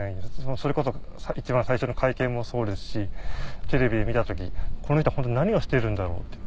それこそ一番最初の会見もそうですしテレビ見た時「この人は本当に何をしてるんだろう」って。